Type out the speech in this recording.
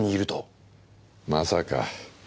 まさか。